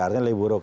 artinya lebih buruk